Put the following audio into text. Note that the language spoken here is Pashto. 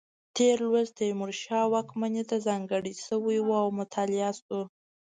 تېر لوست تیمورشاه واکمنۍ ته ځانګړی شوی و او مطالعه شو.